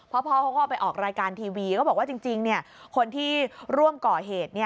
พ่อเขาก็ไปออกรายการทีวีก็บอกว่าจริงคนที่ร่วมก่อเหตุ